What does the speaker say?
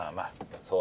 そう